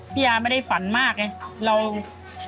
พี่ยาไม่ได้ฝันมากเนี่ย